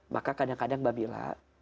maka kadang kadang mbak bila